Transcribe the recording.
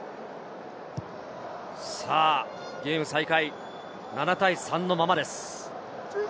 ゲーム再開、７対３のままです。